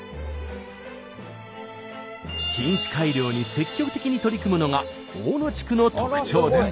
品種改良に積極的に取り組むのが大野地区の特徴です。